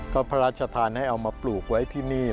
ก็พระราชทานให้เอามาปลูกไว้ที่นี่